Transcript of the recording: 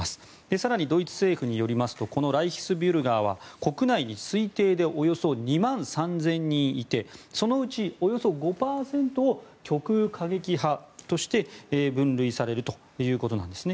更にドイツ政府によりますとこのライヒスビュルガーは国内に推定でおよそ２万３０００人いてそのうち、およそ５％を極右過激派として分類されるということなんですね。